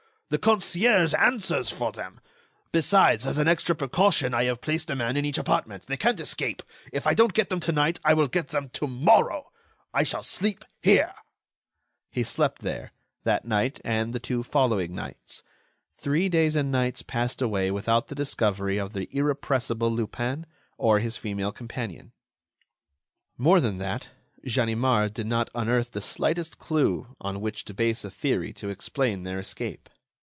The concierge answers for them. Besides, as an extra precaution, I have placed a man in each apartment. They can't escape. If I don't get them to night, I will get them to morrow. I shall sleep here." He slept there that night and the two following nights. Three days and nights passed away without the discovery of the irrepressible Lupin or his female companion; more than that, Ganimard did not unearth the slightest clue on which to base a theory to explain their escape.